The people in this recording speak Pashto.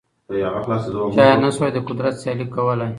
چا یې نه سوای د قدرت سیالي کولای